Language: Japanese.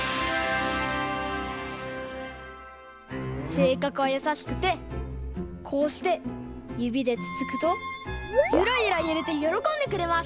せいかくはやさしくてこうしてゆびでつつくとゆらゆらゆれてよろこんでくれます。